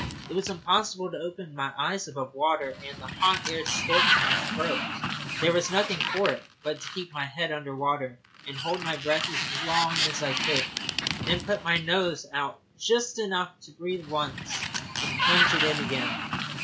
It was impossible to open my eyes above water, and the hot air scorched my throat. There was nothing for it but to keep my head under water and hold my breath as long as I could, then put my nose out just enough to breathe once, and plunge it in again.